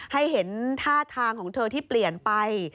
ให้เห็นท่าทางของเธอที่เปลี่ยนไป